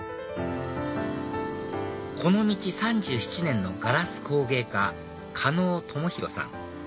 この道３７年のガラス工芸家狩野智宏さん